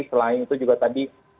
selain itu juga tadi dari peningkatan